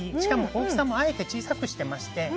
大きさも、あえて小さくしていまして。